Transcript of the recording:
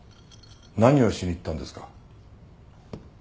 何をしに行ったんですか？